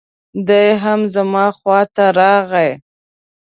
دی هم زما خواته راغی.